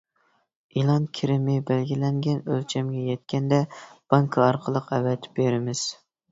ئېلان كىرىمى بەلگىلەنگەن ئۆلچەمگە يەتكەندە بانكا ئارقىلىق ئەۋەتىپ بېرىمىز.